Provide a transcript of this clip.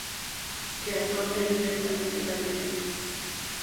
Keaton leyó directamente de la Biblia.